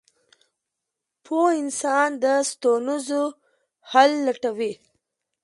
• پوه انسان د ستونزو حل لټوي.